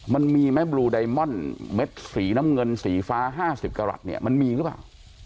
มันมีไหมบลูไดมอนเม็ดสีน้ำเงินสีฟ้า๕๐กรัฐเนี่ยมันมีหรือเปล่า